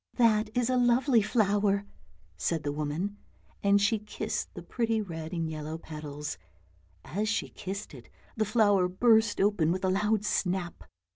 " That is a lovely flower," said the woman, and she kissed the pretty red and yellow petals ; as she kissed it the flower burst open with a loud snap.